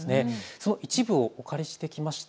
その一部をお借りしてきました。